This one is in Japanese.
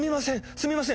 すみません！